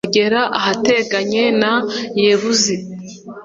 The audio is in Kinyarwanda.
bagera ahateganye na yebuzi